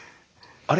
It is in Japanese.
あれ？